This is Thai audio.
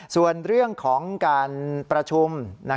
ส่วนเรื่องของการประชุม